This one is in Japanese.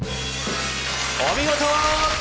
お見事！